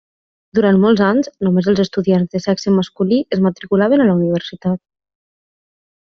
Durant molts anys, només els estudiants de sexe masculí es matriculaven a la universitat.